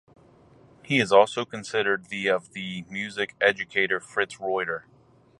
He is also considered the of the music educator Fritz Reuter.